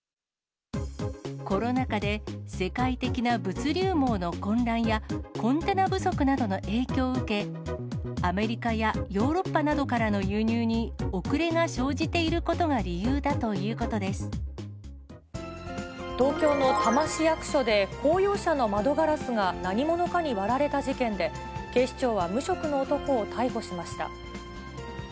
コロナ禍で、世界的な物流網の混乱や、コンテナ不足などの影響を受け、アメリカやヨーロッパなどからの輸入に遅れが生じていることが理東京の多摩市役所で、公用車の窓ガラスが何者かに割られた事件で、警視庁は無職の男を逮捕しました。